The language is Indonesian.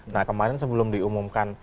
nah kemarin sebelum diumumkan